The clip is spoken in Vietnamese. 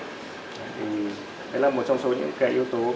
thì đấy là một trong số những cái yếu tố